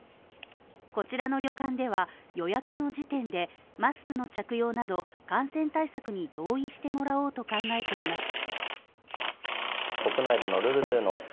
こちらの旅館では、予約の時点でマスクの着用など感染対策に同意してもらおうと考えています。